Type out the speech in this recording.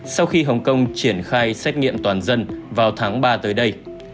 sau khi hồng kông triển khai xét nghiệm toàn dân vào tháng ba tới đây